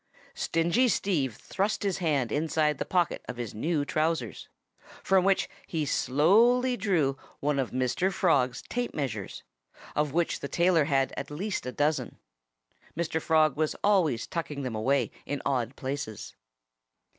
Stingy Steve thrust his hand inside the pocket of his new trousers, from which he slowly drew one of Mr. Frog's tape measures of which the tailor had at least a dozen. Mr. Frog was always tucking them away in odd places.